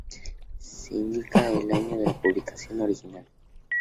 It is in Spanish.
Se indica el año de la publicación original.